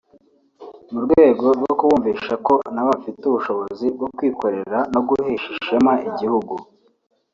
mu rwego rwo kubumvisha ko nabo bafite ubushobozi bwo kwikorera no guhesha ishema igihugu